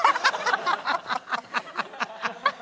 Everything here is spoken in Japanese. ハハハハハ。